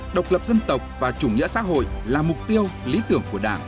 độc lập dân tộc và chủ nghĩa xã hội là mục tiêu lý tưởng của đảng